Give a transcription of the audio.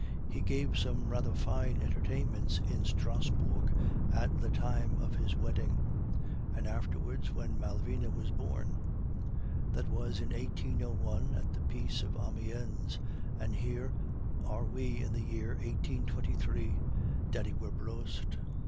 He gave some rather fine entertainments in Strasbourg at the time of his wedding, and afterwards when Malvina was born. That was in 1801 at the peace of Amiens, and here are we in the year 1823, Daddy Werbrust!